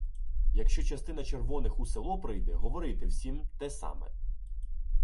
Якщо частина червоних у село прийде — говорити всім те саме.